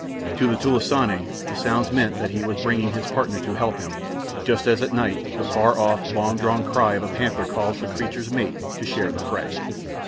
To the "tulisane" the sounds meant that he was bringing his partner to help him, just as at night the far off, long drawn cry of a panther calls the creature's mate to share the prey.